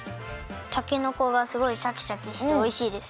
たけのこがすごいシャキシャキしておいしいです。